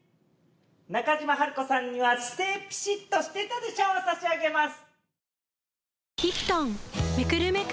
中島ハルコさんには姿勢ピシッとしてたで賞を差し上げます。